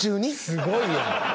すごいよ。